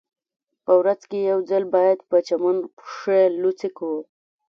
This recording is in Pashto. په ورځ کې یو ځل باید په چمن پښې لوڅې کړو